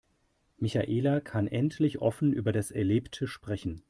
Michaela kann endlich offen über das Erlebte sprechen.